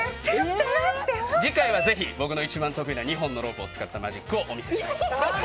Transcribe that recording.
次回はぜひ僕の一番得意な２本のロープを使ったマジックをお見せします。